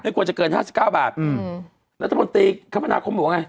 ควรจะเกินห้าสิบเก้าบาทอืมรัฐมนตรีคมนาคมบอกว่าไง